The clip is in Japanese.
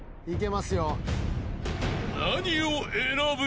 ［何を選ぶ？］